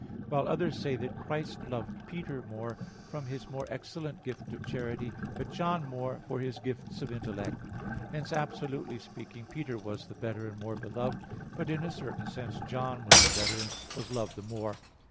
While others say that Christ loved Peter more, from his more excellent gift of charity; but John more, from his gifts of intellect. Hence, absolutely speaking, Peter was the better and more beloved; but, in a certain sense, John was the better, and was loved the more.